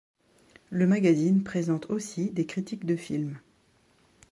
Le magazine présente aussi des critiques de film.